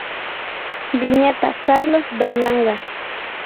Viñeta: Carlos Berlanga.